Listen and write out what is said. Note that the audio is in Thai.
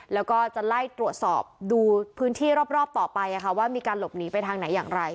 แล้วก็จะไล่ตรวจสอบดูพื้นที่รอบต่อไปว่ามีการหลบหนีไปทางไหนอย่างไร